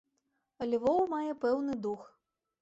Львоў мае пэўны дух.